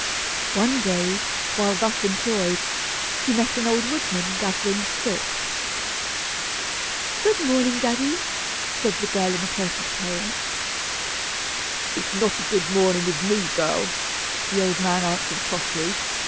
One day, while thus employed, she met an old woodman gathering sticks. "Good morning, daddy," said the girl in a pleasant tone. "It's not a good morning with me, girl," the old man answered, crossly.